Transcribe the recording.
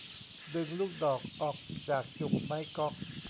ดึงลูกดอกออกจากจุกไม้ก๊อก